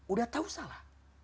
udah tahu salah